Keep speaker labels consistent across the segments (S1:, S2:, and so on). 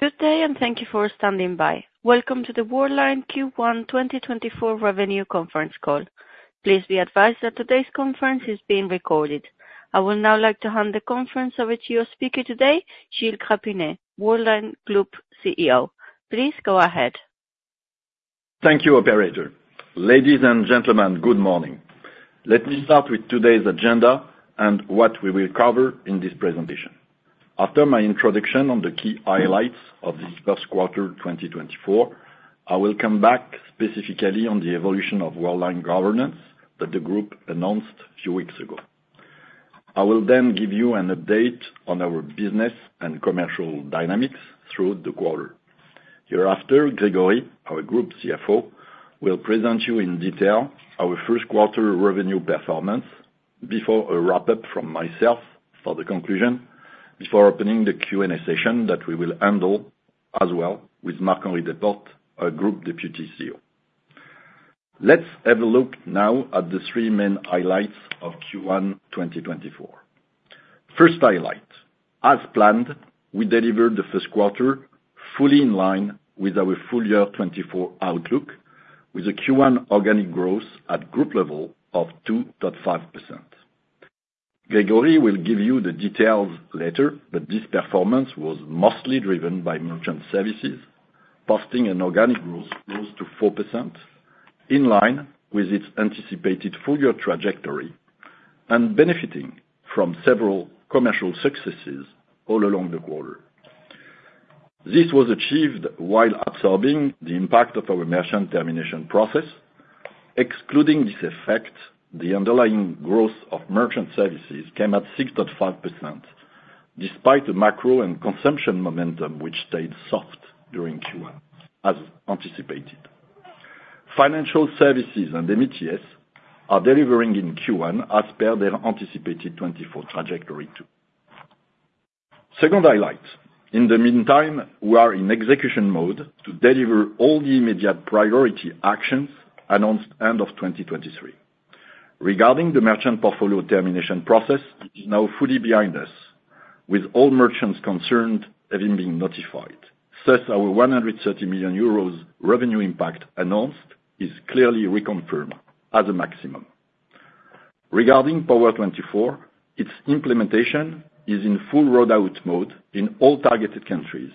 S1: Good day, and thank you for standing by. Welcome to the Worldline Q1 2024 Revenue Conference Call. Please be advised that today's conference is being recorded. I would now like to hand the conference over to your speaker today, Gilles Grapinet, Worldline Group CEO. Please go ahead.
S2: Thank you, operator. Ladies and gentlemen, good morning. Let me start with today's agenda and what we will cover in this presentation. After my introduction on the key highlights of this Q1 2024, I will come back specifically on the evolution of Worldline governance that the group announced a few weeks ago. I will then give you an update on our business and commercial dynamics through the quarter. Thereafter, Gregory, our Group CFO, will present you in detail our Q1 revenue performance before a wrap-up from myself for the conclusion, before opening the Q&A session that we will handle as well with Marc-Henri Desportes, our Group Deputy CEO. Let's have a look now at the three main highlights of Q1 2024. First highlight, as planned, we delivered th Q1 fully in line with our full year 2024 outlook, with a Q1 organic growth at group level of 2.5%. Gregory will give you the details later, but this performance was mostly driven by merchant services, posting an organic growth close to 4%, in line with its anticipated full-year trajectory and benefiting from several commercial successes all along the quarter. This was achieved while absorbing the impact of our merchant termination process. Excluding this effect, the underlying growth of merchant services came at 6.5%, despite the macro and consumption momentum, which stayed soft during Q1, as anticipated. Financial services and MTS are delivering in Q1 as per their anticipated 2024 trajectory, too. Second highlight, in the meantime, we are in execution mode to deliver all the immediate priority actions announced end of 2023. Regarding the merchant portfolio termination process, it is now fully behind us, with all merchants concerned having been notified. Thus, our 130 million euros revenue impact announced is clearly reconfirmed as a maximum. Regarding Power24, its implementation is in full rollout mode in all targeted countries,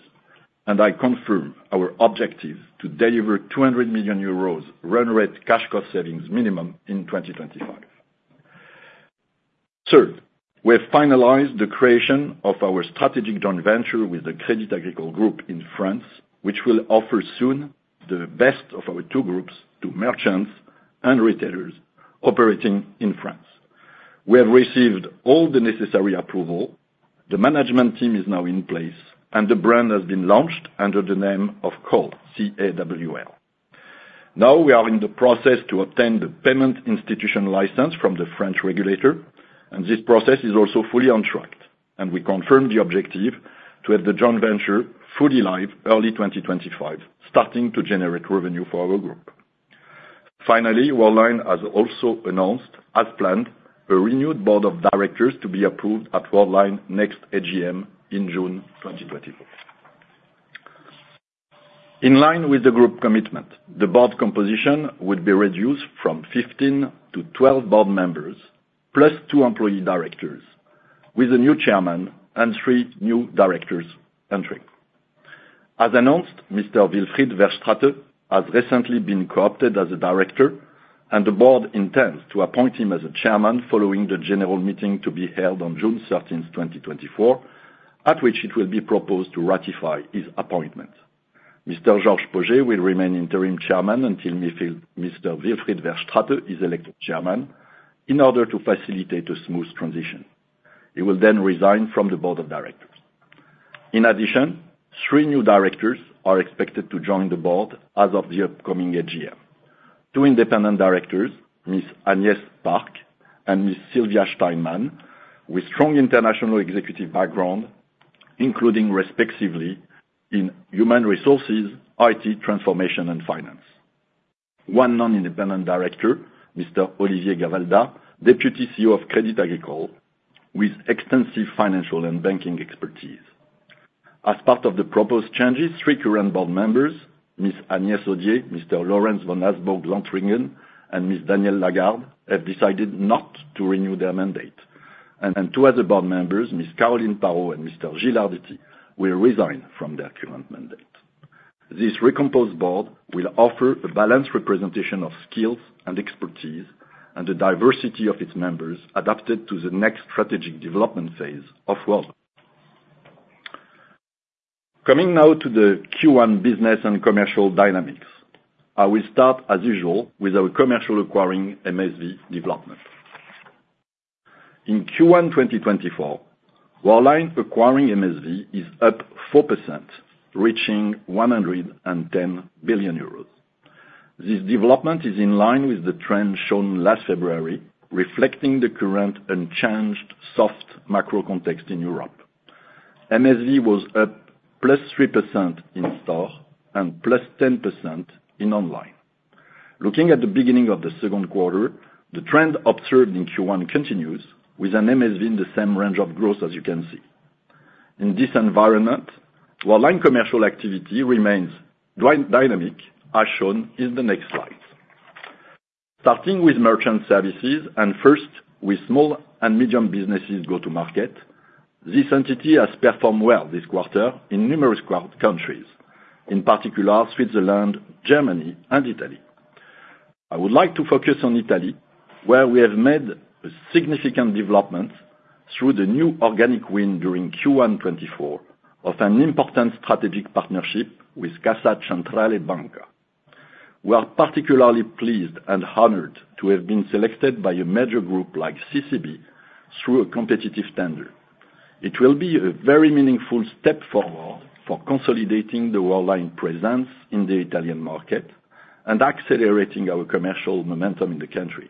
S2: and I confirm our objective to deliver 200 million euros run rate cash cost savings minimum in 2025. Third, we have finalized the creation of our strategic joint venture with the Crédit Agricole Group in France, which will offer soon the best of our two groups to merchants and retailers operating in France. We have received all the necessary approval. The management team is now in place, and the brand has been launched under the name of CAWL, C-A-W-L. Now we are in the process to obtain the payment institution license from the French regulator, and this process is also fully on track, and we confirm the objective to have the joint venture fully live early 2025, starting to generate revenue for our group. Finally, Worldline has also announced, as planned, a renewed board of directors to be approved at Worldline next AGM in June 2024. In line with the group commitment, the board composition would be reduced from 15 to 12 board members, plus two employee directors, with a new chairman and three new directors entering. As announced, Mr. Wilfried Verstraete has recently been co-opted as a director, and the board intends to appoint him as a chairman following the general meeting to be held on June thirteenth, 2024, at which it will be proposed to ratify his appointment. Mr. Georges Pauget will remain Interim Chairman until we feel Mr. Wilfried Verstraete is elected chairman in order to facilitate a smooth transition. He will then resign from the board of directors. In addition, three new directors are expected to join the board as of the upcoming AGM. Two independent directors, Ms. Agnès Park and Ms. Sylvia Steinmann, with strong international executive background, including respectively in human resources, IT, transformation, and finance. One non-independent director, Mr. Olivier Gavalda, Deputy CEO of Crédit Agricole, with extensive financial and banking expertise. As part of the proposed changes, three current board members, Ms. Agnès Audier, Mr. Lorenz von Habsburg Lothringen, and Ms. Danielle Lagarde, have decided not to renew their mandate. Two other board members, Ms. Caroline Parot and Mr. Gilles Arditti, will resign from their current mandate. This recomposed board will offer a balanced representation of skills and expertise, and the diversity of its members adapted to the next strategic development phase of Worldline. Coming now to the Q1 business and commercial dynamics. I will start, as usual, with our commercial acquiring MSV development. In Q1 2024, Worldline acquiring MSV is up 4%, reaching 110 billion euros. This development is in line with the trend shown last February, reflecting the current unchanged soft macro context in Europe. MSV was up +3% in store and +10% in online. Looking at the beginning of the Q2, the trend observed in Q1 continues, with an MSV in the same range of growth as you can see. In this environment, Worldline commercial activity remains dynamic, as shown in the next slides. Starting with Merchant Services, and first, with small and medium businesses go-to-market, this entity has performed well this quarter in numerous countries, in particular, Switzerland, Germany, and Italy. I would like to focus on Italy, where we have made a significant development through the new organic win during Q1 2024, of an important strategic partnership with Cassa Centrale Banca. We are particularly pleased and honored to have been selected by a major group like CCB through a competitive standard. It will be a very meaningful step forward for consolidating the Worldline presence in the Italian market and accelerating our commercial momentum in the country.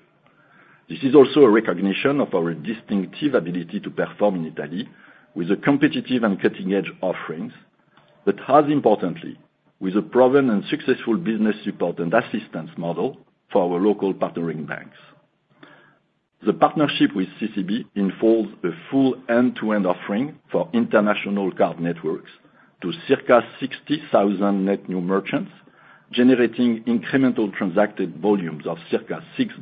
S2: This is also a recognition of our distinctive ability to perform in Italy with a competitive and cutting-edge offerings, but as importantly, with a proven and successful business support and assistance model for our local partnering banks. The partnership with CCB involves a full end-to-end offering for international card networks to circa 60,000 net new merchants, generating incremental transacted volumes of circa 6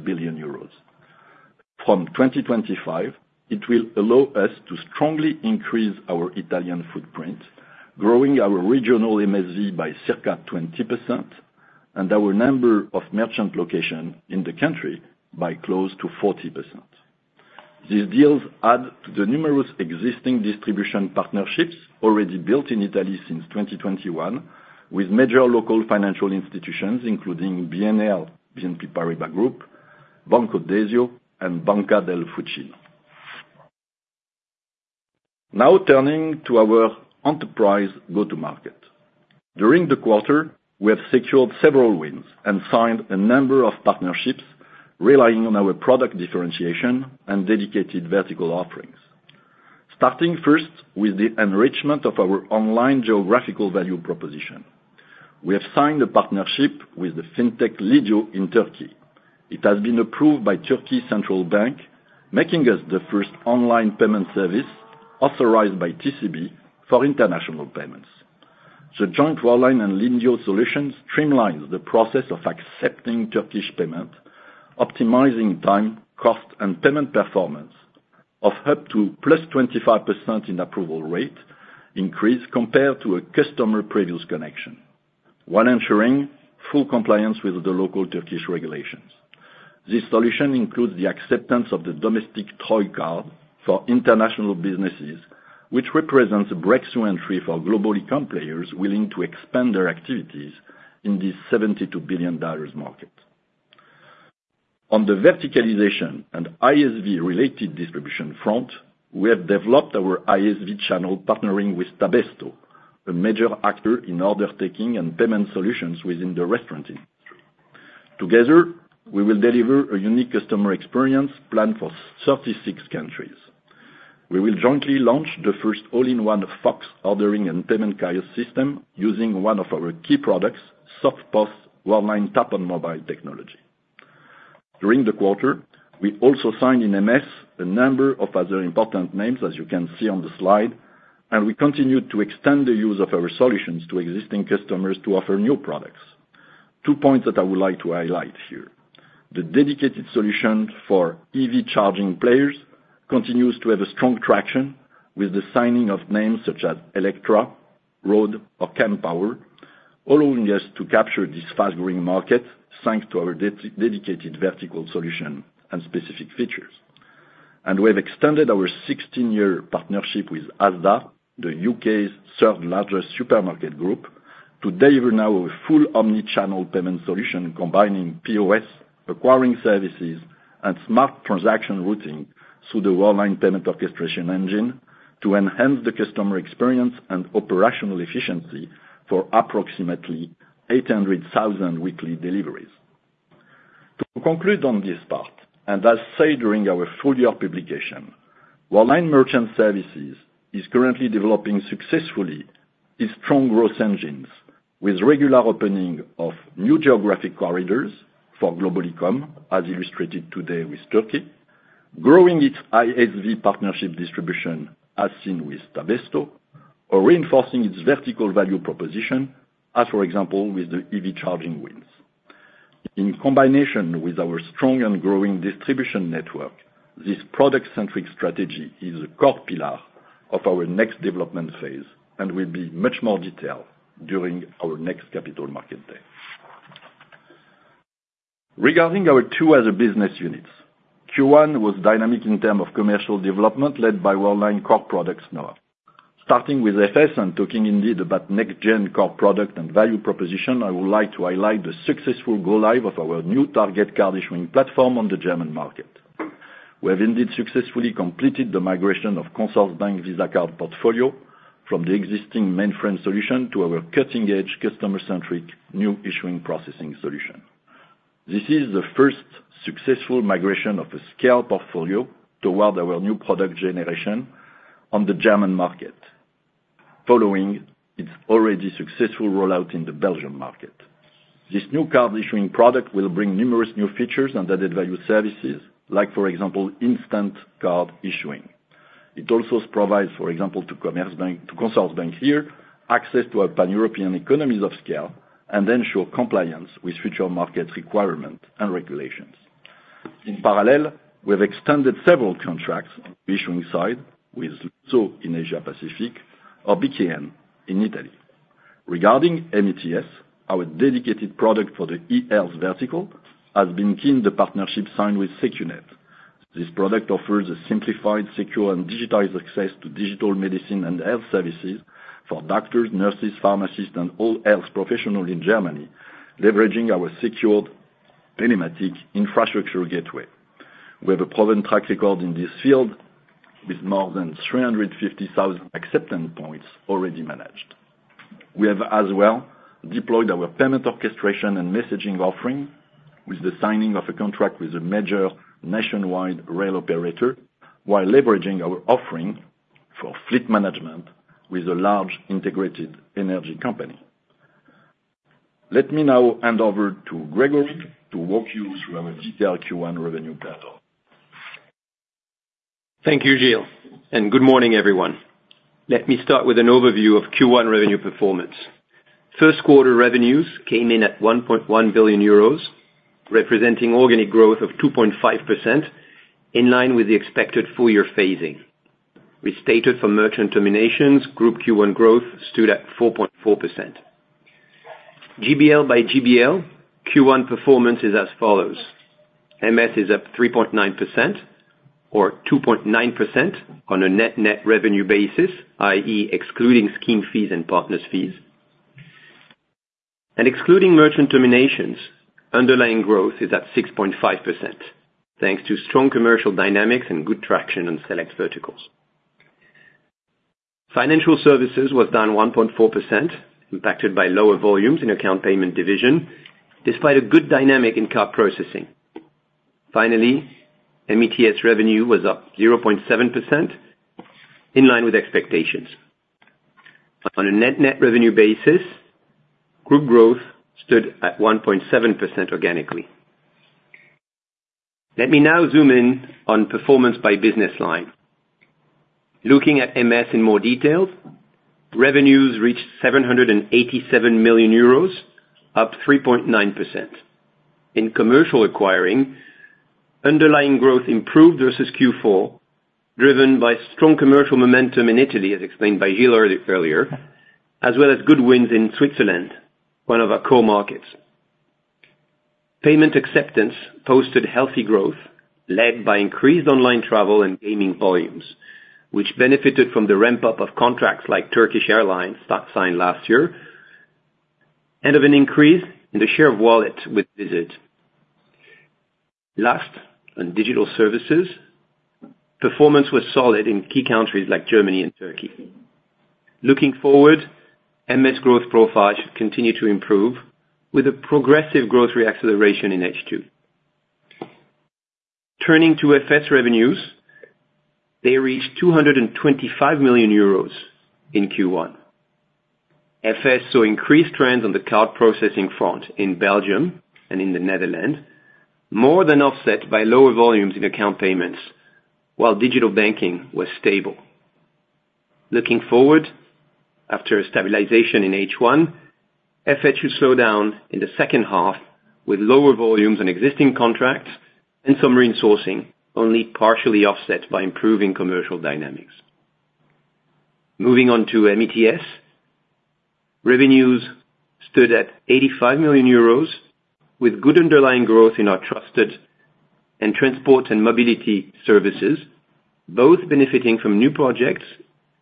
S2: billion euros. From 2025, it will allow us to strongly increase our Italian footprint, growing our regional MSV by circa 20%, and our number of merchant location in the country by close to 40%. These deals add to the numerous existing distribution partnerships already built in Italy since 2021, with major local financial institutions, including BNL, BNP Paribas Group, Banco Desio, and Banca del Fucino. Now turning to our enterprise go-to-market. During the quarter, we have secured several wins and signed a number of partnerships relying on our product differentiation and dedicated vertical offerings. Starting first with the enrichment of our online geographical value proposition. We have signed a partnership with the fintech Lidio in Turkey. It has been approved by Turkey Central Bank, making us the first online payment service authorized by TCB for international payments. The joint Worldline and Lidio solution streamlines the process of accepting Turkish payment, optimizing time, cost, and payment performance of up to +25% in approval rate increase compared to a customer previous connection, while ensuring full compliance with the local Turkish regulations. This solution includes the acceptance of the domestic Troy card for international businesses, which represents a breakthrough entry for global e-com players willing to expand their activities in this $72 billion market. On the verticalization and ISV-related distribution front, we have developed our ISV channel, partnering with Tabesto, a major actor in order taking and payment solutions within the restaurant industry. Together, we will deliver a unique customer experience plan for 36 countries. We will jointly launch the first all-in-one FOX ordering and payment kiosk system using one of our key products, SoftPOS Worldline Tap on Mobile technology. During the quarter, we also signed in MS a number of other important names, as you can see on the slide, and we continued to extend the use of our solutions to existing customers to offer new products. Two points that I would like to highlight here: the dedicated solution for EV charging players continues to have a strong traction with the signing of names such as Electra, Road, or Kempower, allowing us to capture this fast-growing market, thanks to our dedicated vertical solution and specific features. We have extended our 16-year partnership with Asda, the UK's third-largest supermarket group, to deliver now a full omni-channel payment solution, combining POS, acquiring services, and smart transaction routing through the Worldline payment orchestration engine to enhance the customer experience and operational efficiency for approximately 800,000 weekly deliveries. To conclude on this part, and as said during our full year publication, Worldline Merchant Services is currently developing successfully its strong growth engines with regular opening of new geographic corridors for global e-com, as illustrated today with Turkey, growing its ISV partnership distribution, as seen with Tabesto, or reinforcing its vertical value proposition, as for example, with the EV charging wins. In combination with our strong and growing distribution network, this product-centric strategy is a core pillar of our next development phase and will be much more detailed during our next capital market day. Regarding our two other business units, Q1 was dynamic in terms of commercial development, led by Worldline core products Nova. Starting with FS and talking indeed about next-gen core product and value proposition, I would like to highlight the successful go-live of our new target card issuing platform on the German market. We have indeed successfully completed the migration of Consorsbank Visa card portfolio from the existing mainframe solution to our cutting-edge, customer-centric, new issuing processing solution. This is the first successful migration of a large-scale portfolio toward our new product generation on the German market, following its already successful rollout in the Belgian market. This new card issuing product will bring numerous new features and added value services, like, for example, instant card issuing. It also provides, for example, to Consorsbank, to CAWL here, access to our pan-European economies of scale and ensure compliance with future market requirement and regulations. In parallel, we have extended several contracts on the issuing side, with so in Asia Pacific or BKN in Italy. Regarding MTS, our dedicated product for the e-health vertical, has been key in the partnership signed with Secunet. This product offers a simplified, secure, and digitized access to digital medicine and health services for doctors, nurses, pharmacists, and all health professionals in Germany, leveraging our secured telematics infrastructure gateway. We have a proven track record in this field, with more than 350,000 acceptance points already managed. We have as well deployed our payment orchestration and messaging offering with the signing of a contract with a major nationwide rail operator, while leveraging our offering for fleet management with a large integrated energy company. Let me now hand over to Gregory to walk you through our detailed Q1 revenue platform.
S3: Thank you, Gilles, and good morning, everyone. Let me start with an overview of Q1 revenue performance. Q1 revenues came in at 1.1 billion euros, representing organic growth of 2.5%, in line with the expected full year phasing. Restated from merchant terminations, group Q1 growth stood at 4.4%. GBL by GBL, Q1 performance is as follows: MS is up 3.9% or 2.9% on a net-net revenue basis, i.e., excluding scheme fees and partners fees. Excluding merchant terminations, underlying growth is at 6.5%, thanks to strong commercial dynamics and good traction on select verticals. Financial Services was down 1.4%, impacted by lower volumes in account payment division, despite a good dynamic in card processing. Finally, MTS revenue was up 0.7%, in line with expectations. On a net-net revenue basis, group growth stood at 1.7% organically. Let me now zoom in on performance by business line. Looking at MS in more detail, revenues reached 787 million euros, up 3.9%. In commercial acquiring, underlying growth improved versus Q4, driven by strong commercial momentum in Italy, as explained by Gilles earlier, as well as good wins in Switzerland, one of our core markets. Payment acceptance posted healthy growth, led by increased online travel and gaming volumes, which benefited from the ramp-up of contracts like Turkish Airlines, that signed last year, and of an increase in the share of wallet with Visa. Last, on digital services, performance was solid in key countries like Germany and Turkey. Looking forward, MS growth profile should continue to improve with a progressive growth reacceleration in H2. Turning to FS revenues, they reached 225 million euros in Q1. FS saw increased trends on the card processing front in Belgium and in the Netherlands, more than offset by lower volumes in account payments, while digital banking was stable. Looking forward, after a stabilization in H1, FS should slow down in the second half, with lower volumes on existing contracts and some resourcing, only partially offset by improving commercial dynamics. Moving on to MTS, revenues stood at 85 million euros, with good underlying growth in our trusted and transport and mobility services, both benefiting from new projects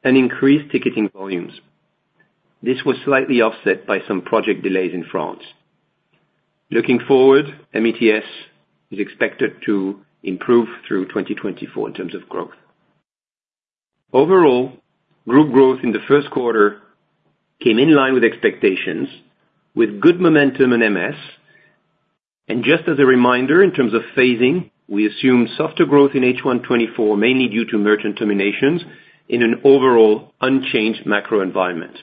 S3: and increased ticketing volumes. This was slightly offset by some project delays in France. Looking forward, MTS is expected to improve through 2024 in terms of growth. Overall, group growth in the Q1 came in line with expectations, with good momentum in MS. Just as a reminder, in terms of phasing, we assume softer growth in H1 2024, mainly due to merchant terminations in an overall unchanged macro environment.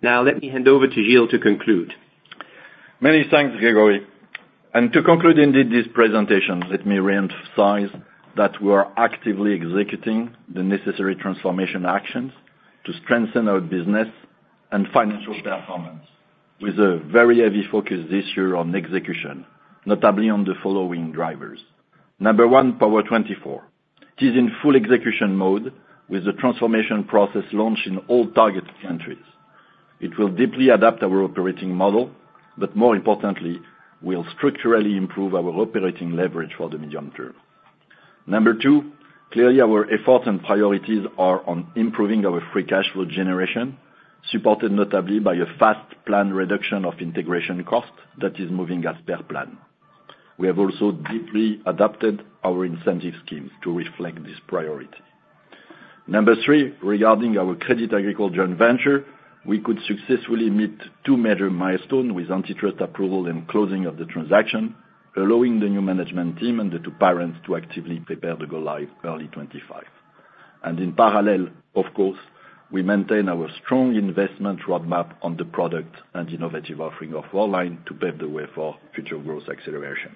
S3: Now, let me hand over to Gilles to conclude.
S2: Many thanks, Gregory. And to conclude, indeed, this presentation, let me reemphasize that we are actively executing the necessary transformation actions to strengthen our business and financial performance with a very heavy focus this year on execution, notably on the following drivers. Number one, Power24. It is in full execution mode with the transformation process launched in all target countries. It will deeply adapt our operating model, but more importantly, will structurally improve our operating leverage for the medium term. Number two, clearly, our efforts and priorities are on improving our free cash flow generation, supported notably by a fast planned reduction of integration costs that is moving as per plan. We have also deeply adapted our incentive schemes to reflect this priority. Number three, regarding our Crédit Agricole joint venture, we could successfully meet two major milestones with antitrust approval and closing of the transaction. allowing the new management team and the two parents to actively prepare to go live early 2025. In parallel, of course, we maintain our strong investment roadmap on the product and innovative offering of Worldline to pave the way for future growth acceleration.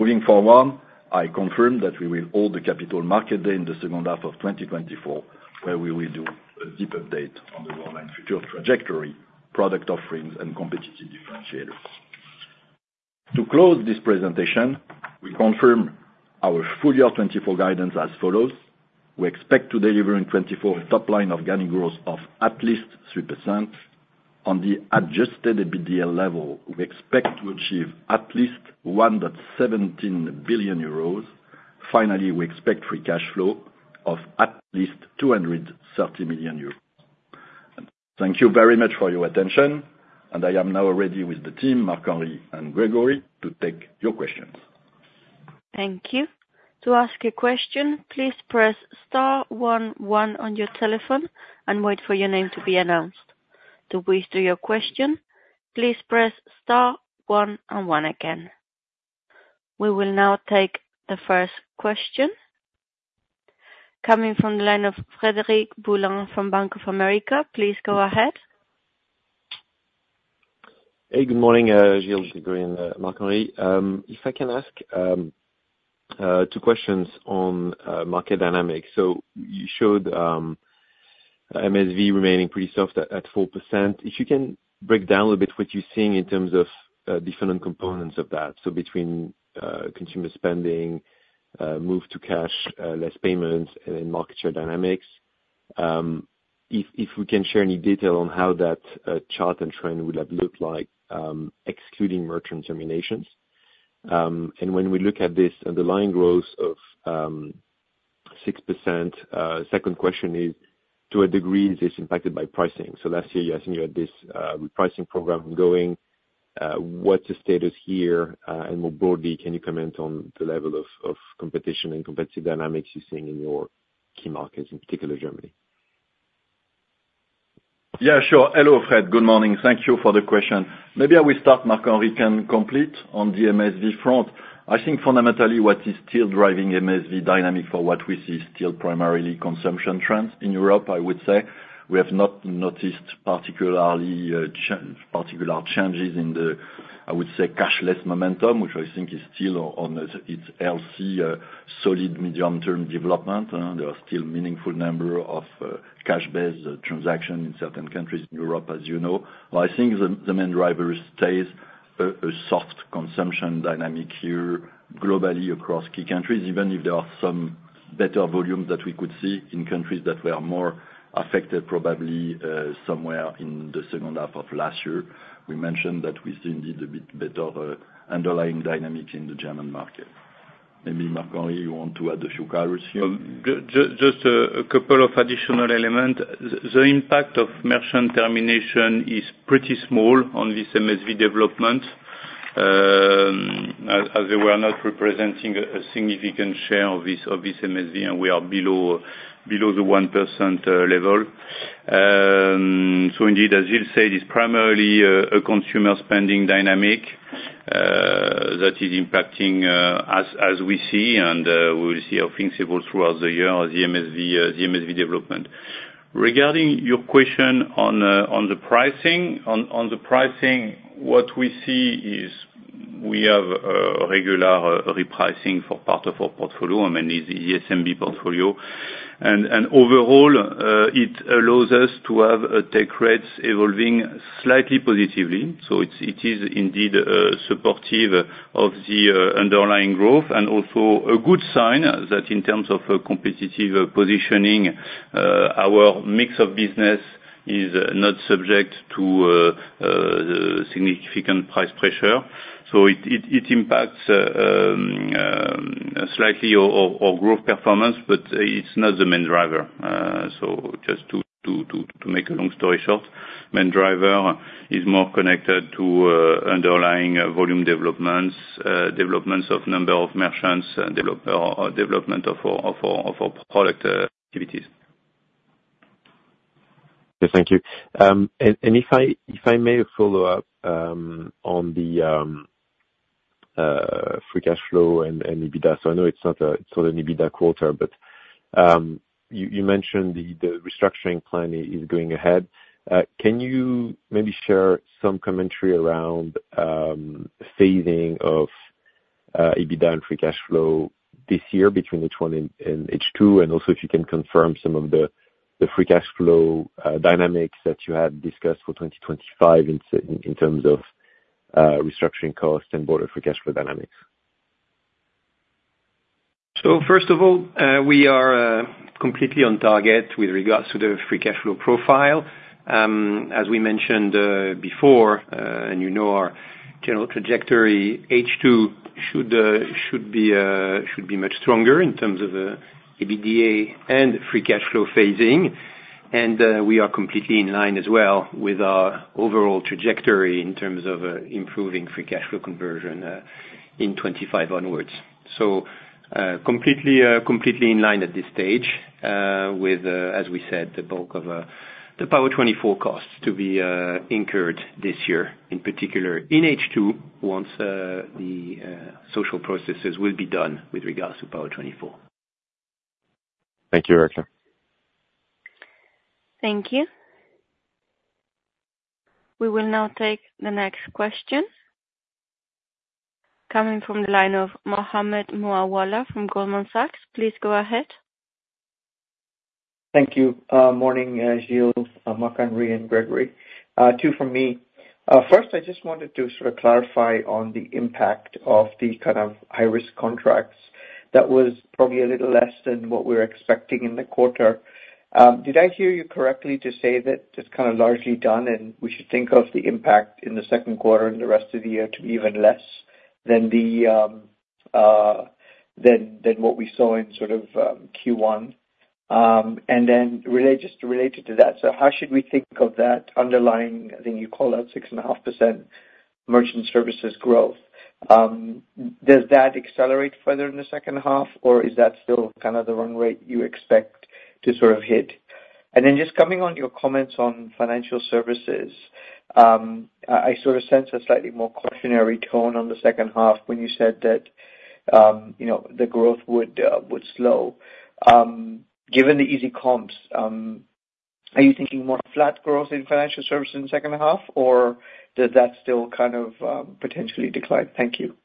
S2: Moving forward, I confirm that we will hold the Capital Market Day in the second half of 2024, where we will do a deep update on the Worldline future trajectory, product offerings, and competitive differentiators. To close this presentation, we confirm our full year 2024 guidance as follows: We expect to deliver in 2024 top line organic growth of at least 3%. On the adjusted EBITDA level, we expect to achieve at least 1.17 billion euros. Finally, we expect free cash flow of at least 230 million euros. Thank you very much for your attention, and I am now ready with the team, Marc-Henri and Gregory, to take your questions.
S1: Thank you. To ask a question, please press star one one on your telephone and wait for your name to be announced. To withdraw your question, please press star one and one again. We will now take the first question coming from the line of Frederic Boulan from Bank of America. Please go ahead.
S4: Hey, good morning, Gilles, Gregory, and Marc-Henri. If I can ask two questions on market dynamics. So you showed MSV remaining pretty soft at 4%. If you can break down a little bit what you're seeing in terms of different components of that, so between consumer spending, move to cash, less payments and then market share dynamics. If we can share any detail on how that chart and trend would have looked like excluding merchant terminations. And when we look at this underlying growth of 6%, second question is, to what degree is this impacted by pricing? So last year, I think you had this repricing program going. What's the status here? More broadly, can you comment on the level of, of competition and competitive dynamics you're seeing in your key markets, in particular Germany?
S2: Yeah, sure. Hello, Fred. Good morning. Thank you for the question. Maybe I will start, Marc-Henri can complete on the MSV front. I think fundamentally what is still driving MSV dynamic for what we see is still primarily consumption trends in Europe, I would say. We have not noticed particularly particular changes in the, I would say, cashless momentum, which I think is still on its healthy solid medium-term development. There are still meaningful number of cash-based transactions in certain countries in Europe, as you know. Well, I think the main driver stays a soft consumption dynamic here globally across key countries, even if there are some better volume that we could see in countries that were more affected probably somewhere in the second half of last year. We mentioned that we see indeed a bit better underlying dynamic in the German market. Maybe, Marc-Henri, you want to add a few comments here?
S5: Just a couple of additional element. The impact of merchant termination is pretty small on this MSV development, as they were not representing a significant share of this MSV, and we are below the 1% level. So indeed, as you said, it's primarily a consumer spending dynamic that is impacting, as we see, and we will see how things evolve throughout the year as MSV, the MSV development. Regarding your question on the pricing, what we see is we have regular repricing for part of our portfolio, mainly the ESMB portfolio. And overall, it allows us to have take rates evolving slightly positively. So it is indeed supportive of the underlying growth and also a good sign that in terms of a competitive positioning, our mix of business is not subject to significant price pressure. So it impacts slightly our growth performance, but it's not the main driver. So just to make a long story short, main driver is more connected to underlying volume developments, developments of number of merchants and development of our product activities.
S4: Yeah, thank you. And if I may follow up on the free cash flow and EBITDA. So I know it's not an EBITDA quarter, but you mentioned the restructuring plan is going ahead. Can you maybe share some commentary around phasing of EBITDA and free cash flow this year between each one and H2? And also, if you can confirm some of the free cash flow dynamics that you had discussed for 2025 in terms of restructuring costs and broader free cash flow dynamics.
S5: So first of all, we are completely on target with regards to the free cash flow profile. As we mentioned before, and you know our general trajectory, H2 should be much stronger in terms of EBITDA and free cash flow phasing. And we are completely in line as well with our overall trajectory in terms of improving free cash flow conversion in 2025 onwards. So-... Completely, completely in line at this stage, with, as we said, the bulk of, the Power24 costs to be, incurred this year, in particular in H2, once, the, social processes will be done with regards to Power24.
S4: Thank you, Eric.
S1: Thank you. We will now take the next question, coming from the line of Mohammed Moawalla from Goldman Sachs. Please go ahead.
S6: Thank you. Morning, Gilles, Marc-Henri and Gregory. Two from me. First, I just wanted to sort of clarify on the impact of the kind of high-risk contracts. That was probably a little less than what we were expecting in the quarter. Did I hear you correctly to say that it's kind of largely done, and we should think of the impact in the second quarter and the rest of the year to be even less than the than what we saw in sort of Q1? And then related, just related to that, so how should we think of that underlying, I think you called out 6.5% merchant services growth? Does that accelerate further in the second half, or is that still kind of the run rate you expect to sort of hit? Then just coming on your comments on Financial Services, I sort of sense a slightly more cautionary tone on the second half when you said that, you know, the growth would slow. Given the easy comps, are you thinking more flat growth in Financial Services in the second half, or does that still kind of potentially decline? Thank you.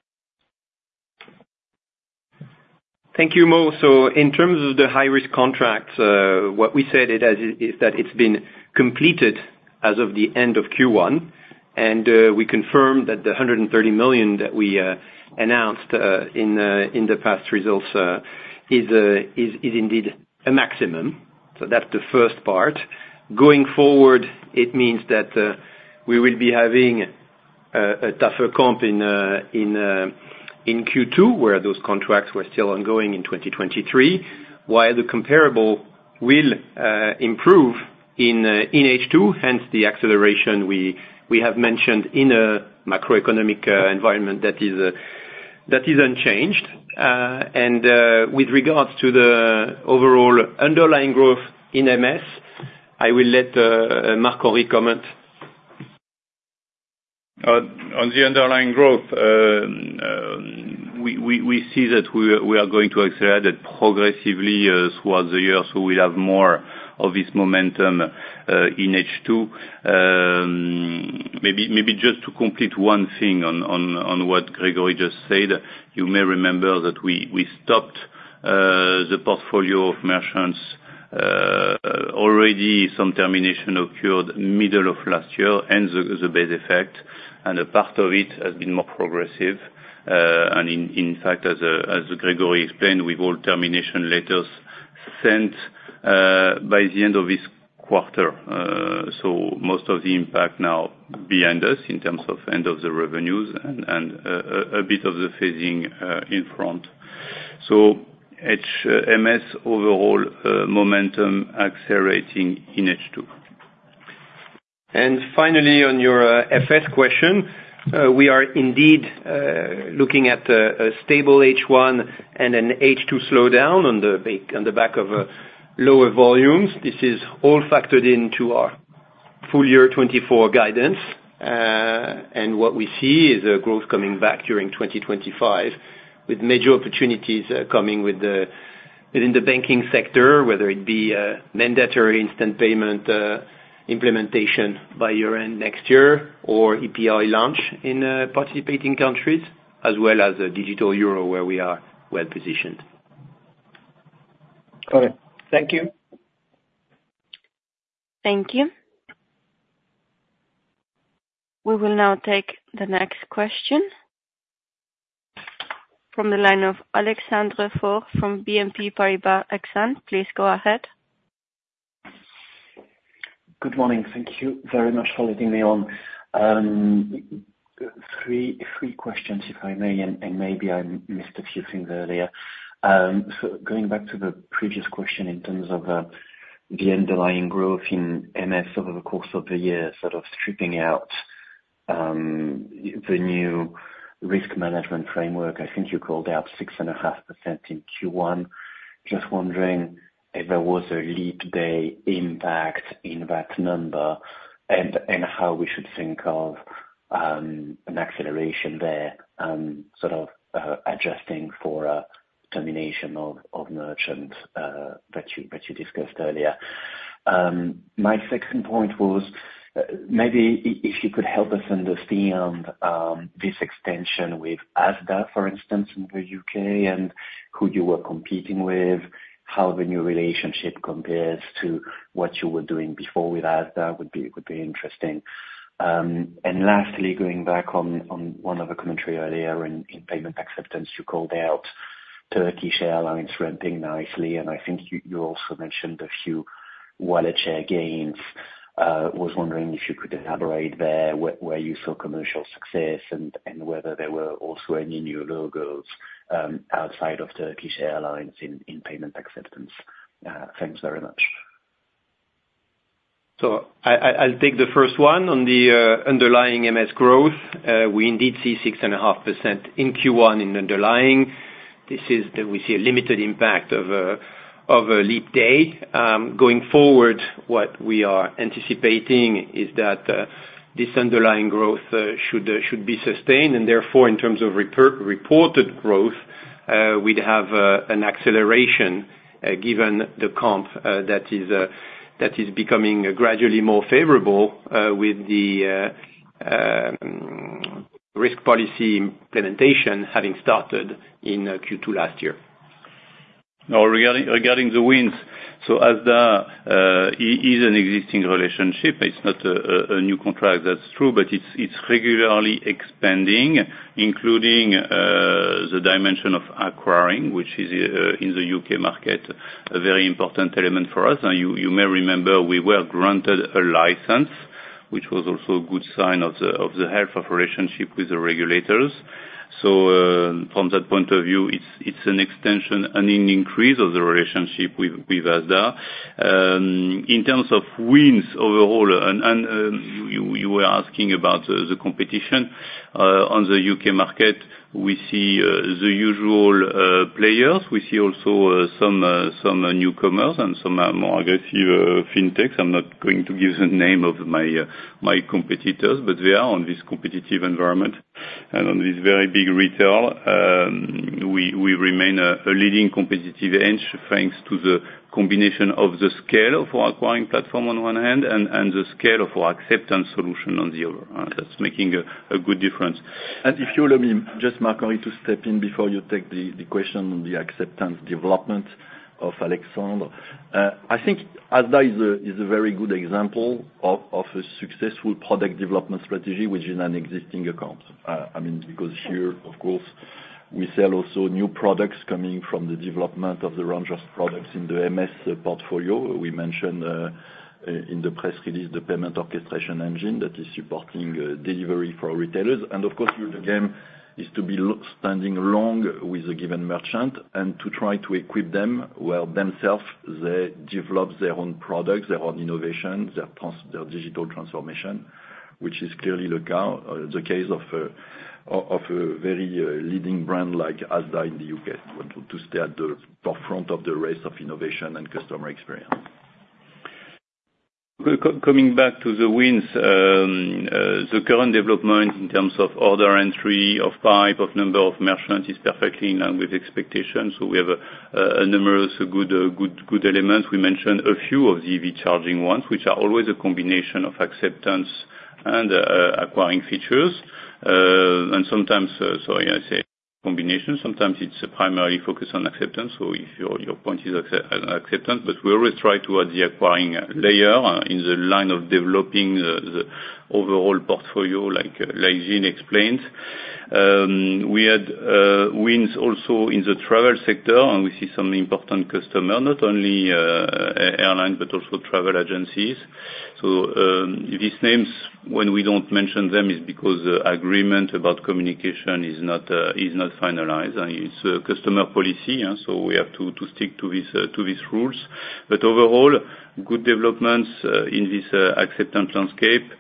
S3: Thank you, Mo. So in terms of the high-risk contracts, what we said is that it's been completed as of the end of Q1, and we confirmed that the 130 million that we announced in the past results is indeed a maximum. So that's the first part. Going forward, it means that we will be having a tougher comp in Q2, where those contracts were still ongoing in 2023. While the comparable will improve in H2, hence the acceleration we have mentioned in a macroeconomic environment that is unchanged. And with regards to the overall underlying growth in MS, I will let Marc-Henri comment.
S5: On the underlying growth, we see that we are going to accelerate it progressively towards the year, so we'll have more of this momentum in H2. Maybe just to complete one thing on what Gregory just said. You may remember that we stopped the portfolio of merchants, already some termination occurred middle of last year, hence the base effect, and a part of it has been more progressive. And in fact, as Gregory explained, with all termination letters sent by the end of this quarter. So most of the impact now behind us in terms of end of the revenues and a bit of the phasing in front. So MS overall momentum accelerating in H2.
S3: And finally, on your FS question, we are indeed looking at a stable H1 and an H2 slowdown on the back of lower volumes. This is all factored into our full year 2024 guidance. And what we see is a growth coming back during 2025, with major opportunities coming within the banking sector, whether it be a mandatory instant payment implementation by year-end next year, or EPI launch in participating countries, as well as a digital euro, where we are well positioned.
S6: Got it. Thank you.
S1: Thank you. We will now take the next question from the line of Alexandre Faure from BNP Paribas Exane. Please go ahead.
S7: Good morning. Thank you very much for letting me on. Three questions, if I may, and maybe I missed a few things earlier. So going back to the previous question in terms of the underlying growth in MS over the course of the year, sort of stripping out the new risk management framework, I think you called out 6.5% in Q1. Just wondering if there was a leap day impact in that number, and how we should think of an acceleration there, sort of adjusting for a termination of merchant that you discussed earlier. My second point was, maybe if you could help us understand, this extension with Asda, for instance, in the U.K., and who you were competing with, how the new relationship compares to what you were doing before with Asda, would be, would be interesting. And lastly, going back on, on one of the commentary earlier in, in payment acceptance, you called out Turkish Airlines ramping nicely, and I think you, you also mentioned a few wallet share gains. Was wondering if you could elaborate there, where you saw commercial success and, and whether there were also any new logos, outside of Turkish Airlines in, in payment acceptance? Thanks very much....
S3: So I'll take the first one on the underlying MS growth. We indeed see 6.5% in Q1 in underlying. This is, we see a limited impact of a leap day. Going forward, what we are anticipating is that this underlying growth should be sustained, and therefore, in terms of reported growth, we'd have an acceleration, given the comp that is becoming gradually more favorable, with the risk policy implementation having started in Q2 last year.
S5: Now, regarding the wins, so Asda is an existing relationship. It's not a new contract, that's true, but it's regularly expanding, including the dimension of acquiring, which is in the UK market, a very important element for us. Now, you may remember we were granted a license, which was also a good sign of the health of relationship with the regulators. So, from that point of view, it's an extension and an increase of the relationship with Asda. In terms of wins overall, and you were asking about the competition. On the UK market, we see the usual players. We see also some newcomers and some more, I guess, your Fintechs. I'm not going to give the name of my, my competitors, but they are on this competitive environment, and on this very big retail, we remain a leading competitive edge, thanks to the combination of the scale of our acquiring platform on one hand, and the scale of our acceptance solution on the other, and that's making a good difference. And if you'll let me just, Marco, to step in before you take the question on the acceptance development of Alexandre. I think Asda is a very good example of a successful product development strategy, which is an existing account. I mean, because here, of course, we sell also new products coming from the development of the range of products in the MS portfolio. We mentioned in the press release the payment orchestration engine that is supporting delivery for our retailers. And of course, the game is to be long-standing along with a given merchant and to try to equip them, while themselves, they develop their own products, their own innovation, their digital transformation, which is clearly the case of a very leading brand like Asda in the U.K., to stay at the forefront of the race of innovation and customer experience. Coming back to the wins, the current development in terms of order entry, of type, of number of merchants, is perfectly in line with expectations, so we have a number of good elements. We mentioned a few of the EV charging ones, which are always a combination of acceptance and acquiring features. Sometimes, sorry, I say combination. Sometimes it's a primarily focus on acceptance, so if your point is acceptance, but we always try to add the acquiring layer in the line of developing the overall portfolio, like Jean explained. We had wins also in the travel sector, and we see some important customer, not only airlines, but also travel agencies. So, these names, when we don't mention them, is because the agreement about communication is not finalized, and it's a customer policy, yeah, so we have to stick to these rules. But overall, good developments in this acceptance landscape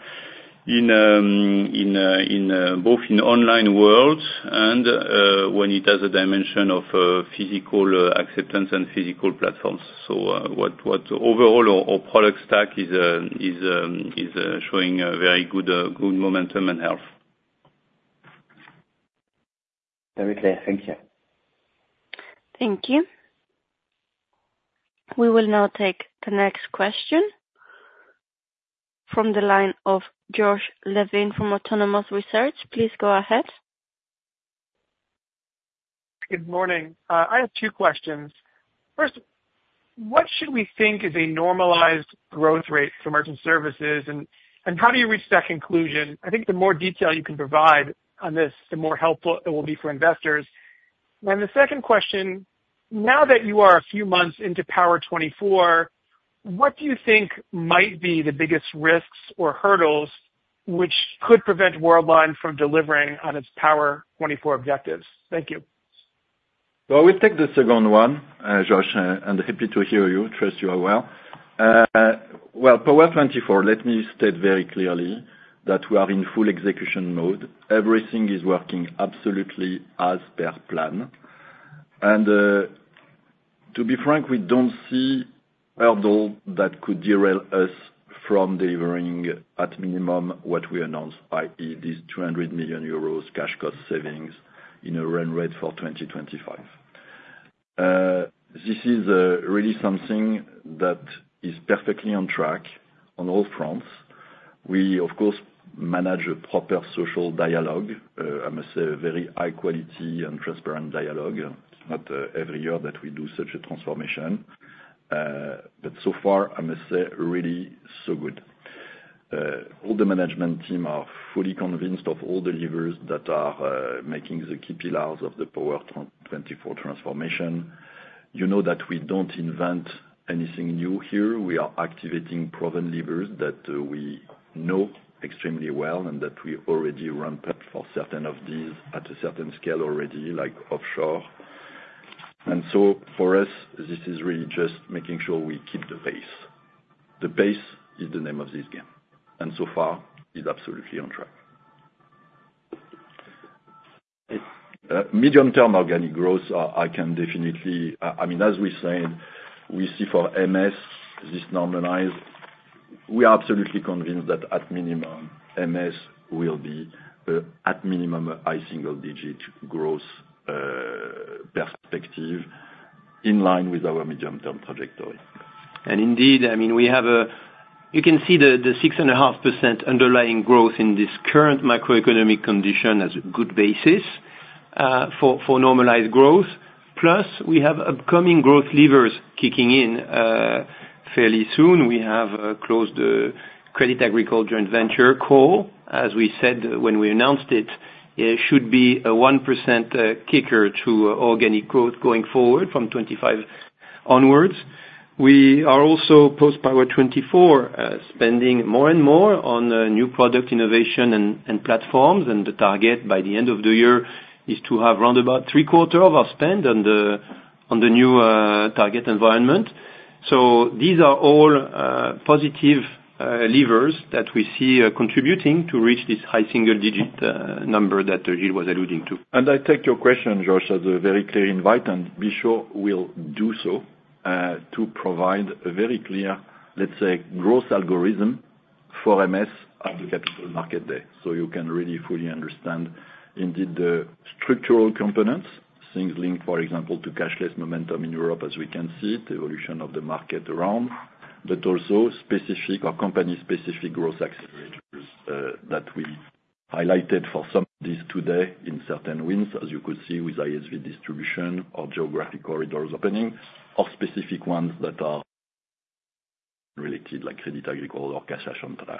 S5: in both online world and when it has a dimension of physical acceptance and physical platforms. So, overall our product stack is showing a very good momentum and health.
S7: Very clear. Thank you.
S1: Thank you. We will now take the next question from the line of Josh Levin from Autonomous Research. Please go ahead.
S8: Good morning. I have two questions. First, what should we think is a normalized growth rate for Merchant Services, and, and how do you reach that conclusion? I think the more detail you can provide on this, the more helpful it will be for investors. Then the second question, now that you are a few months into Power24, what do you think might be the biggest risks or hurdles which could prevent Worldline from delivering on its Power24 objectives? Thank you.
S2: Well, I will take the second one, Josh, and happy to hear you. Trust you are well. Well, Power24, let me state very clearly that we are in full execution mode. Everything is working absolutely as per plan. And, to be frank, we don't see hurdle that could derail us from delivering, at minimum, what we announced, i.e., this 200 million euros cash cost savings in a run rate for 2025. This is really something that is perfectly on track on all fronts. We, of course, manage a proper social dialogue. I must say, a very high quality and transparent dialogue. Not every year that we do such a transformation, but so far, I must say, really so good. All the management team are fully convinced of all the levers that are making the key pillars of the Power24 transformation. You know that we don't invent anything new here. We are activating proven levers that we know extremely well and that we already ramped up for certain of these at a certain scale already, like offshore. And so for us, this is really just making sure we keep the pace. The pace is the name of this game, and so far is absolutely on track. Medium-term organic growth, I can definitely, I mean, as we said, we see for MS, this normalized, we are absolutely convinced that at minimum, MS will be, at minimum, a high single-digit growth perspective, in line with our medium-term trajectory. Indeed, I mean, you can see the 6.5% underlying growth in this current macroeconomic condition as a good basis for normalized growth. Plus, we have upcoming growth levers kicking in fairly soon. We have closed the Crédit Agricole joint venture CAWL. As we said when we announced it, it should be a 1% kicker to organic growth going forward from 2025 onwards. We are also post-Power24, spending more and more on new product innovation and platforms, and the target by the end of the year is to have around three-quarters of our spend on the new target environment. So these are all positive levers that we see contributing to reach this high single-digit number that Gilles was alluding to.
S5: I take your question, Josh, as a very clear invite, and be sure we'll do so, to provide a very clear, let's say, growth algorithm for MS at the capital market day, so you can really fully understand indeed the structural components, things linked, for example, to cashless momentum in Europe, as we can see, the evolution of the market around. But also specific, or company-specific growth accelerators, that we highlighted for some of these today in certain wins, as you could see with ISV distribution or geographic corridors opening, or specific ones that are related, like Crédit Agricole or Cassa Centrale.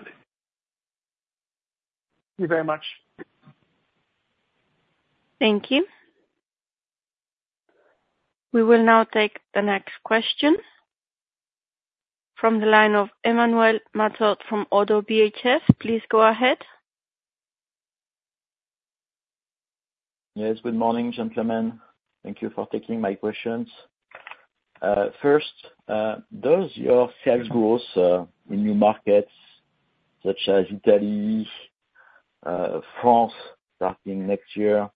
S8: Thank you very much.
S1: Thank you. We will now take the next question from the line of Emmanuel Matot from Oddo BHF. Please go ahead.
S9: Yes, good morning, gentlemen. Thank you for taking my questions. First, does your sales growth in new markets such as Italy, France, starting next year,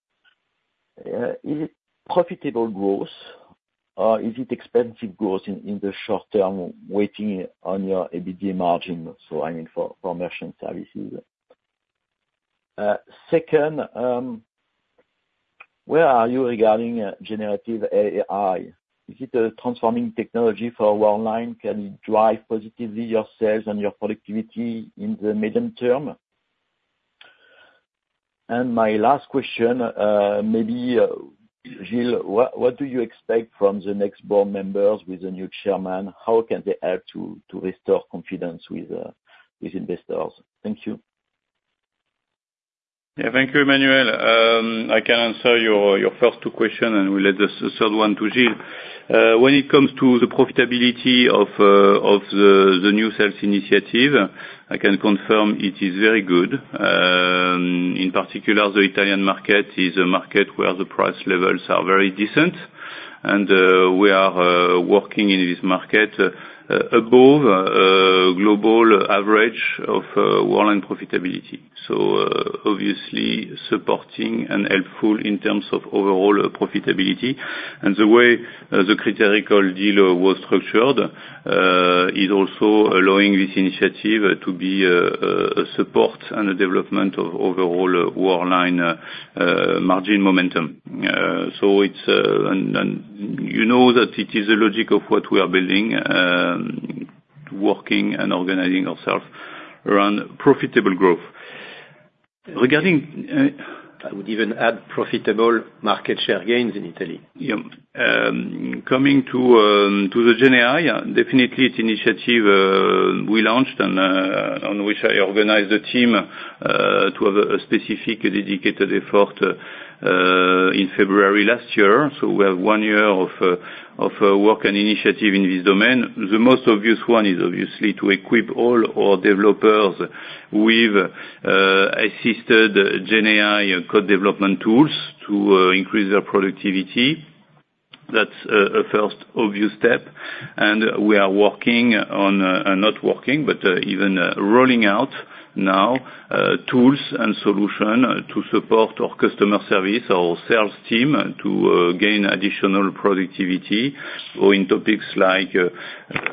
S9: is it profitable growth, or is it expensive growth in the short term, waiting on your EBITDA margin, so I mean, for merchant services? Second, where are you regarding generative AI? Is it a transforming technology for Worldline? Can it drive positively your sales and your productivity in the medium term? And my last question, maybe, Gilles, what do you expect from the next board members with the new chairman? How can they help to restore confidence with investors? Thank you.
S5: Yeah, thank you, Emmanuel. I can answer your first two questions, and we'll leave the third one to Gilles. When it comes to the profitability of the new sales initiative, I can confirm it is very good. In particular, the Italian market is a market where the price levels are very decent, and we are working in this market above global average of Worldline profitability, so obviously, supporting and helpful in terms of overall profitability. And the way the critical deal was structured is also allowing this initiative to be a support and a development of overall Worldline margin momentum. So it's... And you know that it is a logic of what we are building, working and organizing ourselves around profitable growth. Regarding- I would even add profitable market share gains in Italy. Yeah. Coming to the GenAI, definitely it's initiative, we launched and on which I organized a team to have a specific dedicated effort in February last year. So we have one year of work and initiative in this domain. The most obvious one is obviously to equip all our developers with assisted GenAI code development tools to increase their productivity. That's a first obvious step, and we are working on, not working, but even rolling out now tools and solution to support our customer service, our sales team, to gain additional productivity or in topics like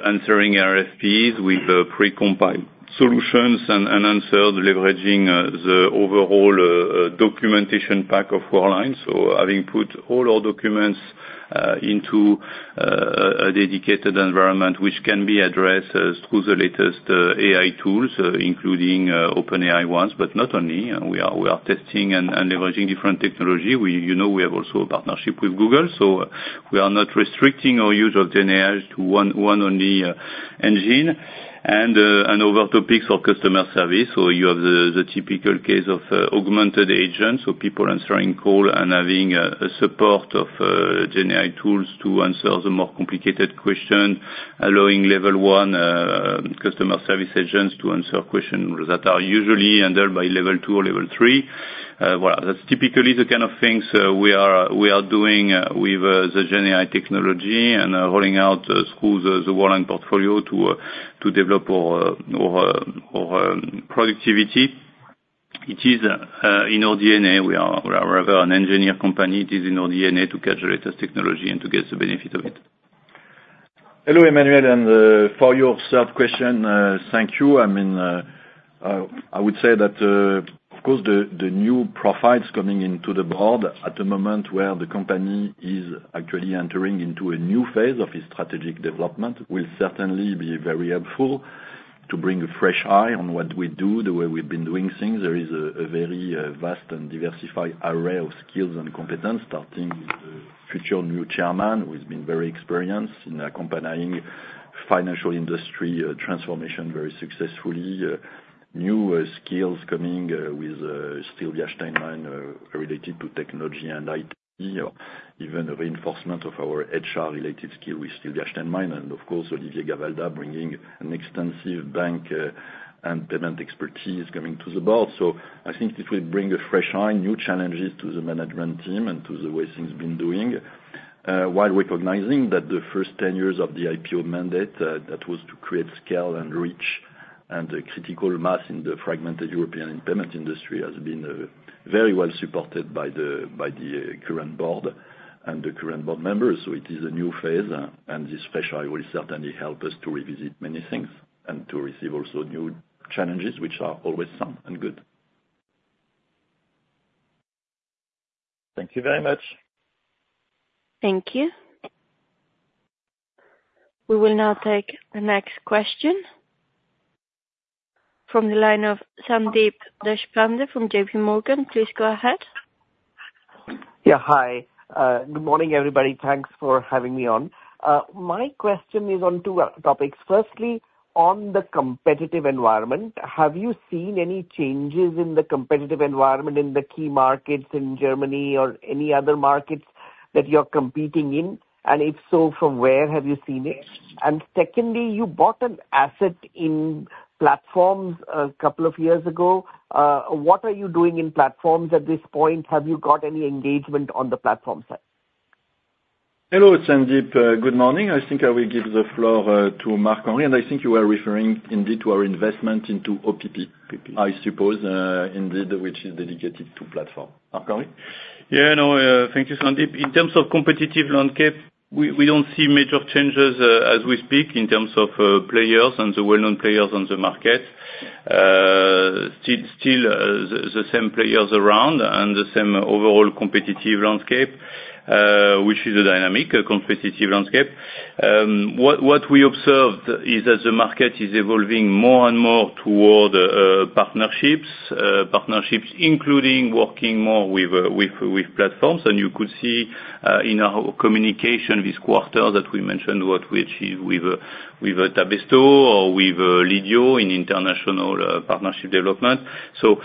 S5: answering RFPs with pre-compiled solutions and answered, leveraging the overall documentation pack of Worldline. So having put all our documents into a dedicated environment, which can be addressed through the latest AI tools, including OpenAI ones, but not only. We are testing and leveraging different technology. We, you know, we have also a partnership with Google, so we are not restricting our use of GenAI to one only engine. And over topics of customer service, so you have the typical case of augmented agents, so people answering call and having a support of GenAI tools to answer the more complicated question, allowing level one customer service agents to answer question that are usually handled by level two or level three.... Well, that's typically the kind of things we are doing with the GenAI technology, and rolling out through the Worldline portfolio to develop our productivity. It is in our DNA. We are rather an engineer company. It is in our DNA to capture latest technology and to get the benefit of it.
S2: Hello, Emmanuel, and for your third question, thank you. I mean, I would say that of course, the new profiles coming into the board at a moment where the company is actually entering into a new phase of its strategic development, will certainly be very helpful to bring a fresh eye on what we do, the way we've been doing things. There is a very vast and diversified array of skills and competence, starting with the future new chairman, who has been very experienced in accompanying financial industry transformation very successfully. New skills coming with Sylvia Steinmann related to technology and IT, or even a reinforcement of our HR-related skill with Sylvia Steinmann, and of course, Olivier Gavalda, bringing an extensive bank and payment expertise coming to the board. So I think it will bring a fresh eye, new challenges to the management team and to the way things been doing, while recognizing that the first 10 years of the IPO mandate, that was to create scale and reach, and the critical mass in the fragmented European payment industry, has been very well supported by the current board and the current board members. So it is a new phase, and this fresh eye will certainly help us to revisit many things and to receive also new challenges, which are always some and good.
S9: Thank you very much.
S1: Thank you. We will now take the next question from the line of Sandeep Deshpande from JPMorgan. Please go ahead.
S10: Yeah, hi. Good morning, everybody. Thanks for having me on. My question is on two topics. Firstly, on the competitive environment, have you seen any changes in the competitive environment in the key markets in Germany or any other markets that you're competing in? And if so, from where have you seen it? And secondly, you bought an asset in platforms a couple of years ago. What are you doing in platforms at this point? Have you got any engagement on the platform side?
S2: Hello, Sandeep. Good morning. I think I will give the floor to Marc-Henri, and I think you are referring indeed to our investment into OPP, I suppose, indeed, which is dedicated to platform. Marc-Henri?
S5: Yeah, no, thank you, Sandeep. In terms of competitive landscape, we don't see major changes, as we speak, in terms of players and the well-known players on the market. Still, the same players around and the same overall competitive landscape, which is a dynamic, a competitive landscape. What we observed is that the market is evolving more and more toward partnerships, including working more with platforms. And you could see in our communication this quarter, that we mentioned what we achieved with Tabesto or with Lidio in international partnership development. So,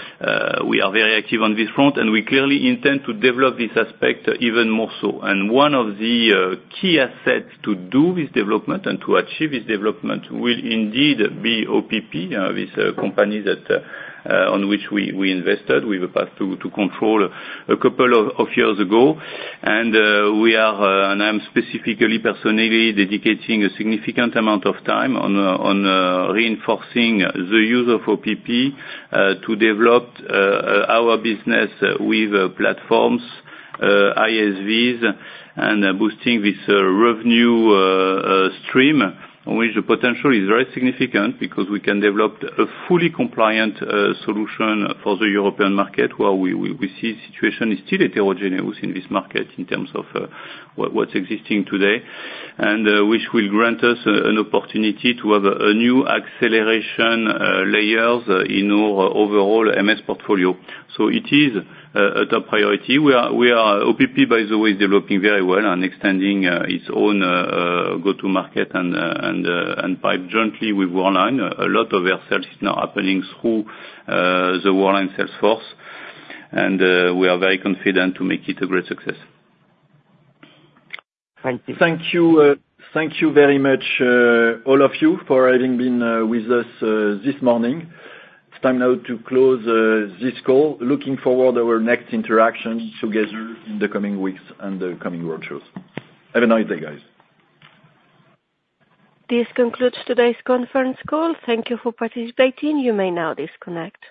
S5: we are very active on this front, and we clearly intend to develop this aspect even more so. And one of the key assets to do this development and to achieve this development will indeed be OPP, with a company that on which we invested. We have a path to control a couple of years ago. And we are, and I'm specifically, personally dedicating a significant amount of time on reinforcing the use of OPP to develop our business with platforms, ISVs, and boosting this revenue stream, on which the potential is very significant because we can develop a fully compliant solution for the European market, where we see the situation is still heterogeneous in this market in terms of what's existing today. And which will grant us an opportunity to have a new acceleration layers in our overall MS portfolio. So it is a top priority. OPP, by the way, is developing very well and extending its own go-to market and pipeline jointly with Worldline. A lot of our sales is now happening through the Worldline sales force, and we are very confident to make it a great success.
S10: Thank you.
S2: Thank you, thank you very much, all of you for having been with us this morning. It's time now to close this call. Looking forward to our next interaction together in the coming weeks and the coming road shows. Have a nice day, guys.
S1: This concludes today's conference call. Thank you for participating. You may now disconnect.